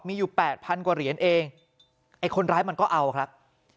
มีอยู่แปดพันกว่าเหรียญเองไอ้คนร้ายมันก็เอาครับ